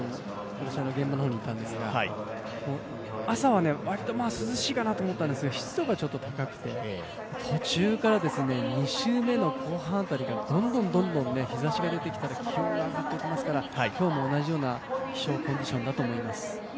私、現場の方にいたんですが朝はわりと涼しいかなと思ったんですが、湿度が高くて、途中２周目の後半辺りからどんどん日ざしが出てきたり気温が上がっていきますから今日も同じような気象コンディションだと思います。